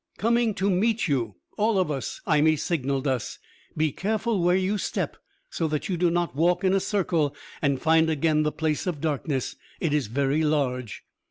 "Coming to meet you, all of us," Imee signaled us. "Be careful where you step, so that you do not walk in a circle and find again the Place of Darkness. It is very large."